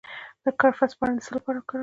د کرفس پاڼې د څه لپاره وکاروم؟